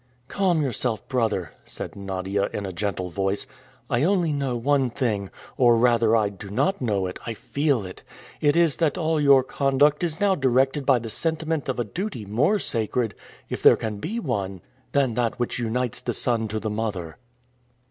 "Calm yourself, brother," said Nadia in a gentle voice. "I only know one thing, or rather I do not know it, I feel it. It is that all your conduct is now directed by the sentiment of a duty more sacred if there can be one than that which unites the son to the mother."